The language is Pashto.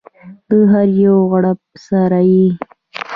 د هر یو غړپ سره یې